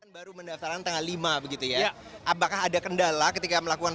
baru mendaftaran tanggal lima begitu ya apakah ada kendala ketika melakukan